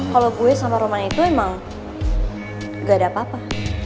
kalau gue sama roman itu emang gak ada apa apa